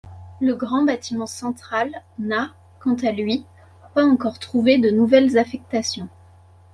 Le grand bâtiment central n'a, quant à lui, pas encore trouvé de nouvelle affectation.